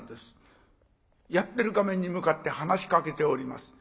やってる画面に向かって話しかけております。